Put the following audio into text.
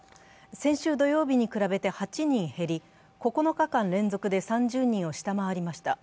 先週土曜日に比べて８人減り、９日間連続で３０人を下回りました。